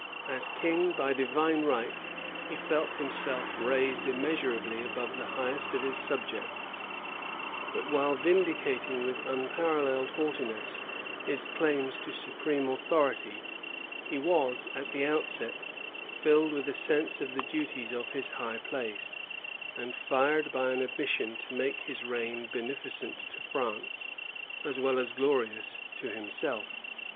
As king by divine right, he felt himself raised immeasurably above the highest of his subjects; but while vindi cating with unparalleled haughtiness his claims to supreme authority, he was, at the outset, filled with a sense of the duties of his high place, and fired by an ambition to make his reign beneficent to France as well as glorious to himself.